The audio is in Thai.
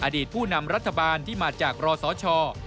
อดีตผู้นำรัฐบาลที่มาจากรสช